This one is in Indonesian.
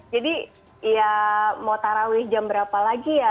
jadi ya mau tarawih jam berapa lagi ya